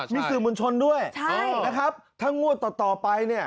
มิสิบุญชนด้วยนะครับถ้างวดต่อไป